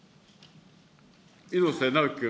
猪瀬直樹君。